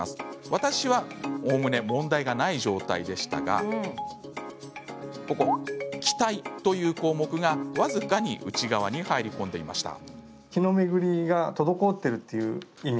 私は、おおむね問題がない状態でしたが気滞という項目が僅かに内側に入り込んでいました。